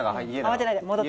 慌てないで戻って。